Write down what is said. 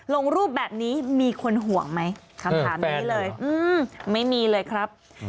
ลงรูปแบบนี้มีคนห่วงไหมคำถามนี้เลยไม่มีเลยครับ